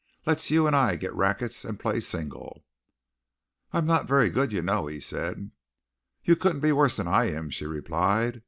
"Let's you and I get rackets and play single." "I'm not very good, you know," he said. "You couldn't be worse than I am," she replied.